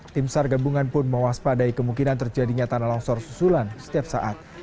tim sar gabungan pun mewaspadai kemungkinan terjadinya tanah longsor susulan setiap saat